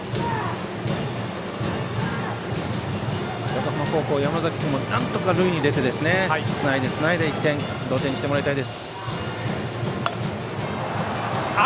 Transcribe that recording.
横浜高校、山崎君なんとか塁に出てつないで１点同点にしてもらいたい。